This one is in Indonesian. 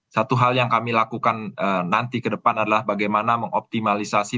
satu hal yang kami lakukan nanti ke depan adalah bagaimana mengoptimalisasi